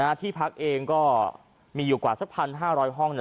ที่พักเองก็มีอยู่กว่าสักพันห้าร้อยห้องเนี่ย